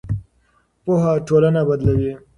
پوهه ټولنه بدلوي.